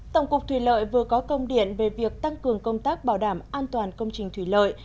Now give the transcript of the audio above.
tổng cục thủy lợi vừa có công điện về việc tăng cường công tác bảo đảm an toàn công trình thủy lợi